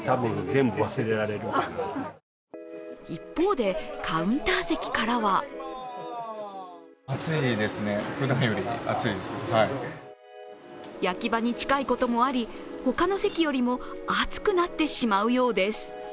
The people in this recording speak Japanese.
一方でカウンター席からは焼き場に近いこともあり、他の席よりも暑くなってしまうようです。